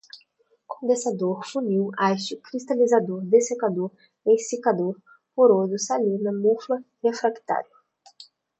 condensador, funil, haste, cristalizador, dessecador, exsicador, poroso, salina, mufla, refractário